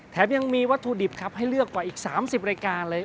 แถมยังมีวัตถุดิบครับให้เลือกกว่าอีก๓๐รายการเลย